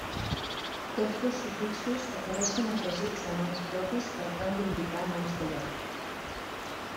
Tots dos sufixos apareixen afegits a noms propis per tal d'indicar noms de lloc.